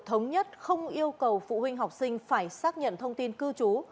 thống nhất không yêu cầu phụ huynh học sinh phải xác nhận thông tin cư trú